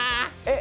え？